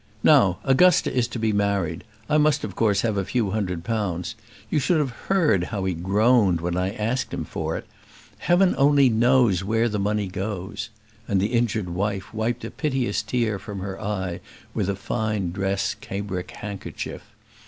Now, Augusta is to be married. I must of course have a few hundred pounds. You should have heard how he groaned when I asked him for it. Heaven only knows where the money goes!" And the injured wife wiped a piteous tear from her eye with her fine dress cambric handkerchief.